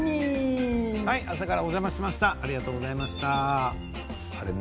朝からお邪魔しました。